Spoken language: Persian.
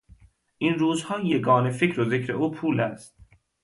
این روزها یگانه فکر و ذکر او پول است.